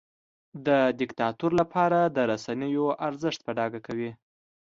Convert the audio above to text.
د دیکتاتور لپاره د رسنیو ارزښت په ډاګه کوي.